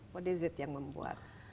what is it yang membuat